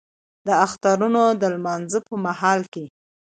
د اخترونو د لمونځ په مهال کې